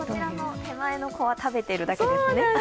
手前の子は食べているだけですね。